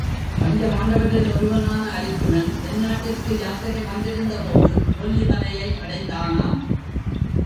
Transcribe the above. பஞ்ச பாண்டவரில் ஒருவனான அருச்சுனன் தென்னாட்டிற்கு யாத்திரை வந்திருந்தபோது கொல்லி மலையை அடைந்தானாம்.